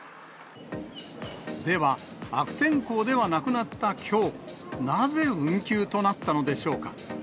では、悪天候ではなくなったきょう、なぜ運休となったのでしょうか。